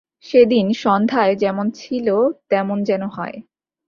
সেদিন সন্ধ্যায় যেমন ছিল তেমন যেন হয়।